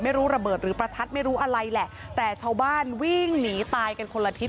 ไม่รู้ระเบิดหรือประทัดไม่รู้อะไรแหละแต่ชาวบ้านวิ่งหนีตายกันคนละทิศ